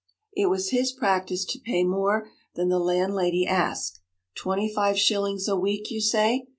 It was his practice to pay more than the landlady asked. Twenty five shillings a week, you say?